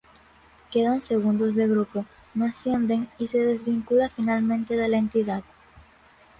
Quedan segundos de grupo, no ascienden y se desvincula finalmente de la entidad.